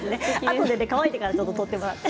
乾いてから取ってもらって。